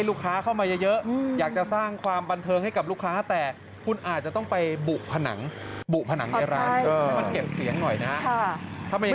แต่ก่อนไม่มีเสียงดังอย่างนี้ค่ะ